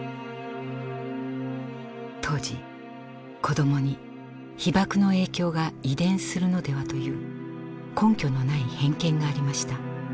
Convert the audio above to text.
当時子供に被爆の影響が遺伝するのではという根拠のない偏見がありました。